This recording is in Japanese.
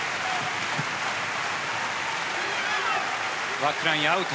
バックライン、アウト。